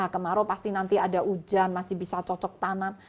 kemarau pasti nanti ada hujan masih bisa cocok tanam